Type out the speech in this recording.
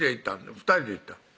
２人で行ったん？